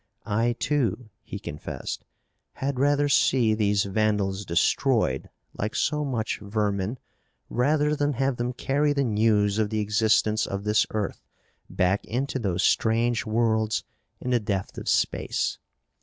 I, too," he confessed, "had rather see these vandals destroyed like so much vermin rather than have them carry the news of the existence of this earth back into those strange worlds in the depth of space.